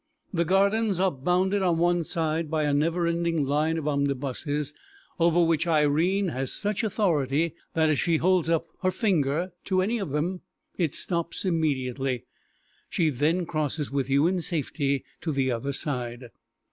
The Gardens are bounded on one side by a never ending line of omnibuses, over which Irene has such authority that if she holds up her finger to any one of them it stops immediately. She then crosses with you in safety to the other side.